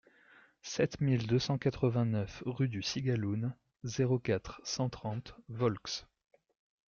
sept mille deux cent quatre-vingt-neuf rue du Cigaloun, zéro quatre, cent trente Volx